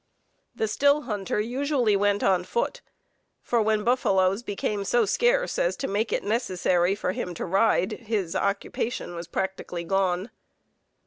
The still hunter usually went on foot, for when buffaloes became so scarce as to make it necessary for him to ride his occupation was practically gone.